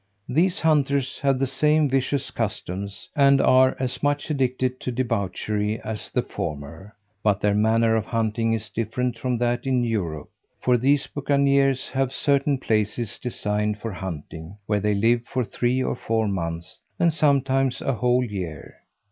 These hunters have the same vicious customs, and are as much addicted to debauchery as the former; but their manner of hunting is different from that in Europe; for these bucaniers have certain places designed for hunting, where they live for three or four months, and sometimes a whole year.